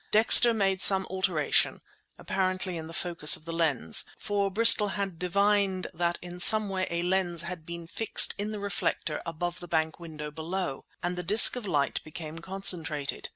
Dexter made some alteration, apparently in the focus of the lens (for Bristol had divined that in some way a lens had been fixed in the reflector above the bank window below) and the disc of light became concentrated.